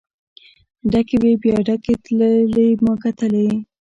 ډکې وې بیا ډکې تللې ما کتلی.